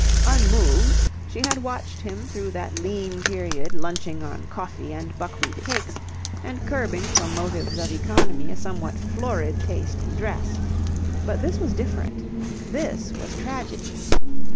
Unmoved, she had watched him through that lean period lunching on coffee and buckwheat cakes, and curbing from motives of economy a somewhat florid taste in dress. But this was different. This was tragedy.